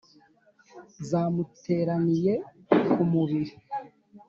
zamuteraniye ku mubiri